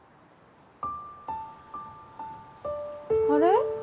あれ？